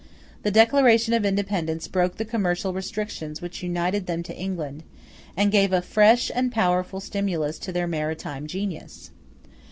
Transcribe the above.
The Declaration of Independence broke the commercial restrictions which united them to England, and gave a fresh and powerful stimulus to their maritime genius.